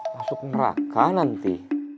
masuk neraka nanti